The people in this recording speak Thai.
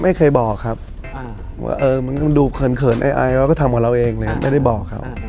ไม่เคยบอกครับว่ามันดูเขินไอแล้วก็ทำของเราเองนะครับไม่ได้บอกครับ